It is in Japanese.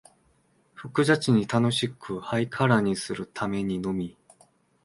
複雑に楽しく、ハイカラにするためにのみ、